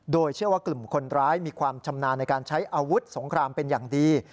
โดยเชื่อว่ากลุ่มคนร้ายมีความชำนาญในการใช้อาวุธสงครามเป็นอย่างดี